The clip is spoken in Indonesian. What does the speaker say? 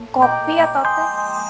kopi atau apa